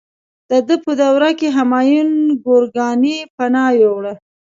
د ده په دوره کې همایون ګورکاني پناه یووړه.